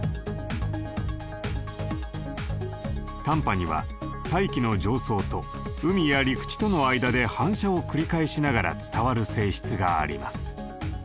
短波には大気の上層と海や陸地との間で反射を繰り返しながら伝わる性質があります。